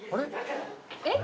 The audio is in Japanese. えっ？